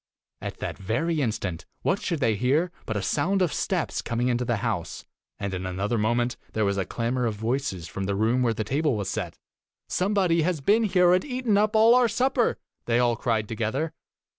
At that very instant, what should they hear but a sound of steps coming into the house, and in another moment there was a clamor of voices from the room where the table was set ' Some body has been here and eaten up our supper!' they all cried together.